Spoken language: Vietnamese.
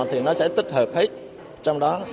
thì nó sẽ tích hợp hết trong đó